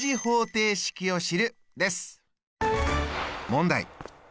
問題！